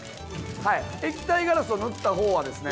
はい液体ガラスを塗ったほうはですね